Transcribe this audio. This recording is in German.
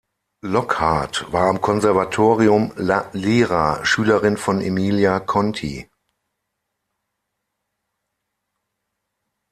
Lockhart war am Konservatorium "La Lira" Schülerin von Emilia Conti.